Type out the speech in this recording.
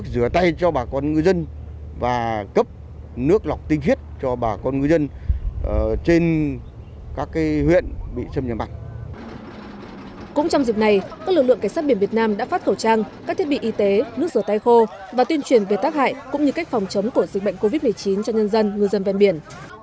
các lực lượng cảnh sát biển việt nam đã phát khẩu trang các thiết bị y tế nước rửa tay khô và tuyên truyền về tác hại cũng như cách phòng chống của dịch bệnh covid một mươi chín cho nhân dân người dân ven biển